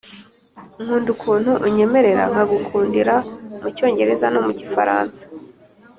nkunda ukuntu unyemerera nkagukundira mucyongereza no mu gifaransa